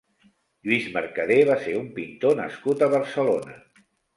Lluís Mercadé va ser un pintor nascut a Barcelona.